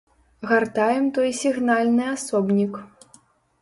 Гартаем той сігнальны асобнік.